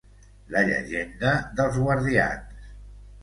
La llegenda dels guardians.